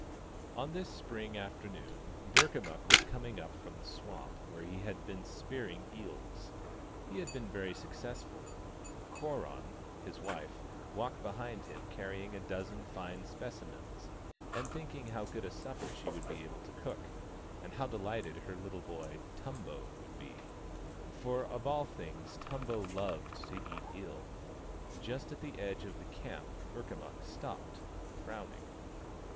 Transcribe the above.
On this spring afternoon Burkamukk was coming up from the swamp where he had been spearing eels. He had been very successful : Koronn, his wife, walked behind him carrying a dozen fine speci mens, and thinking how good a supper she would be able to cook, and how delighted her little boy Tumbo would be ; for of all things Tumbo loved 14 THE STONE AXE OF BURKAMUKK to eat eel. Just at the edge of the camp Burka mukk stopped, frowning.